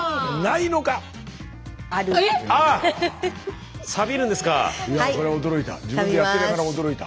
いやこれは驚いた。